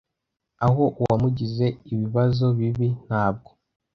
Aho uwamugize ibibazo bibi ntabwo